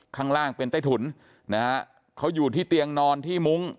ข้างล่างเป็นใต้ถุนนะฮะเขาอยู่ที่เตียงนอนที่มุ้ง